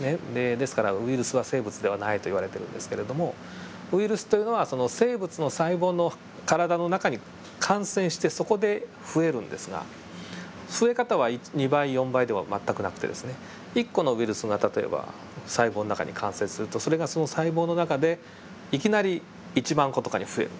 ですからウイルスは生物ではないと言われてるんですけどもウイルスというのはその生物の細胞の体の中に感染してそこで増えるんですが増え方は２倍４倍では全くなくてですね１個のウイルスが例えば細胞の中に感染するとそれがその細胞の中でいきなり１万個とかに増える。